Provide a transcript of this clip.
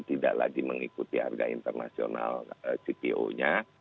tidak lagi mengikuti harga internasional cpo nya